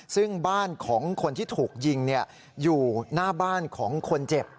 ซึ่งบ้านของคนที่ถูกยิงอยู่หน้าบ้านของคนเจ็บ